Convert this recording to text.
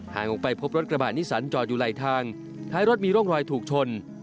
ออกไปพบรถกระบะนิสันจอดอยู่ไหลทางท้ายรถมีร่องรอยถูกชน